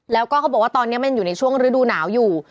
แล้วก็เขาบอกว่าตอนนี้มันอยู่ในช่วงฤดูหนาวอยู่